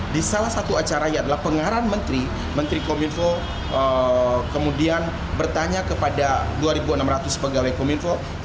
di salah satu acara yang adalah pengarahan menteri menteri komunikasi kemudian bertanya kepada dua ribu enam ratus pegawai komunikasi